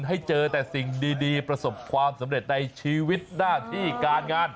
ให้เจอแต่สิ่งดีประสบความสำเร็จในชีวิตหน้าที่การงาน